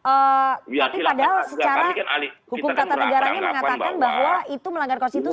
tapi padahal secara hukum kata negaranya mengatakan bahwa itu melanggar konstitusi